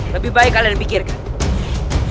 lebih baik kalian pikirkan